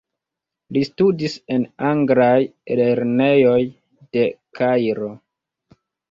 Li studis en anglaj lernejoj de Kairo.